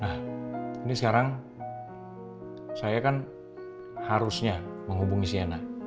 nah ini sekarang saya kan harusnya menghubungi cnn